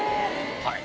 はい。